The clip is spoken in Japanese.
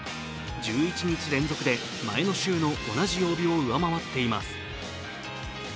１１日連続で前の週の同じ曜日を上回っています。